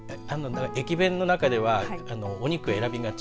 駅弁の中ではお肉選びがち。